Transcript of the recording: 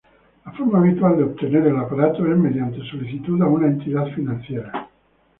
La forma habitual de obtener el aparato es mediante solicitud a una entidad financiera.